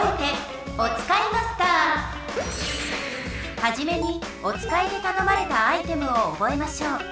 はじめにおつかいでたのまれたアイテムを覚えましょう。